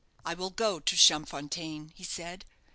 "I will go to Champfontaine," he said.